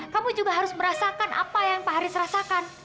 kamu juga harus merasakan apa yang pak haris rasakan